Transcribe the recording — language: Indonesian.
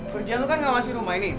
berjalan kan ngawasi rumah ini